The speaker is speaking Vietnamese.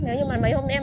nếu như mà mấy hôm nay em